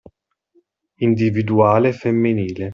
Individuale femminile.